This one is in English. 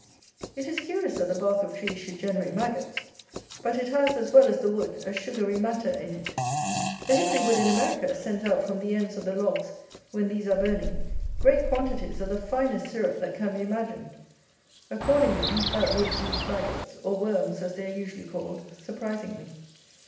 It is curious that the bark of trees should generate maggots; but it has, as well as the wood, a sugary matter in it. The hickory wood in America sends out from the ends of the logs when these are burning, great quantities of the finest syrup that can be imagined. Accordingly, that wood breeds maggots, or worms as they are usually called, surprisingly.